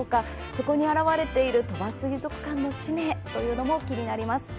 そこに表れている鳥羽水族館の使命も気になります。